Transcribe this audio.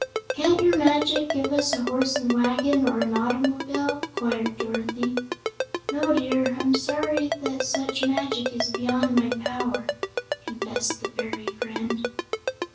"Can't your magic give us a horse an' wagon, or an automobile?" inquired Dorothy. "No, dear; I'm sorry that such magic is beyond my power," confessed her fairy friend.